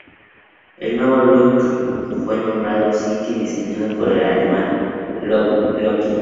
El nuevo look fue nombrado City, diseñado por Animal Logic.